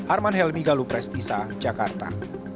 arman helmi galuh prestisa jakarta